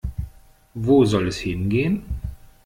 Wo soll es hingehen?